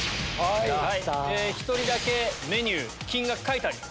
１人だけメニュー金額書いてあります。